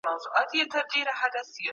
دا مواد د پوستکي نرمولو کې مرسته کوي.